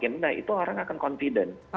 nah itu orang akan confident